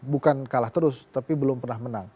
bukan kalah terus tapi belum pernah menang